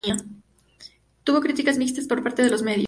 Tuvo críticas mixtas por parte de los medios.